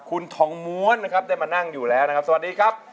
คุณทองม้วนนะครับได้มานั่งอยู่แล้วนะครับสวัสดีครับ